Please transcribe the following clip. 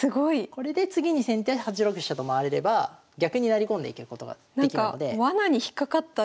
これで次に先手８六飛車と回れれば逆に成り込んでいけることができるので。